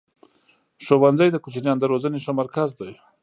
ښوونځی د کوچنیانو د روزني ښه مرکز دی.